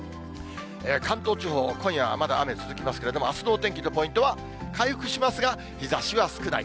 関東地方、今夜はまだ雨続きますけれども、あすのお天気のポイントは、回復しますが日ざしは少ない。